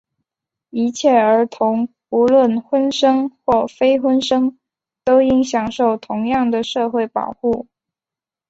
一切儿童,无论婚生或非婚生,都应享受同样的社会保护。